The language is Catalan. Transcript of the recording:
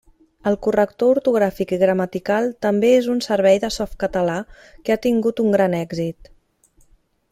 El corrector ortogràfic i gramatical també és un servei de Softcatalà que ha tingut un gran èxit.